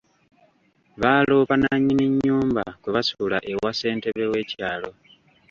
Baaloopa nnannyini nnyumba kwe basula ewa ssentebe w'ekyalo.